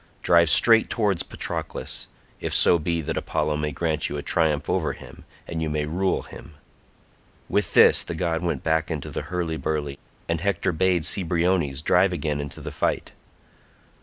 Drive straight towards Patroclus, if so be that Apollo may grant you a triumph over him, and you may rule him." With this the god went back into the hurly burly, and Hector bade Cebriones drive again into the fight.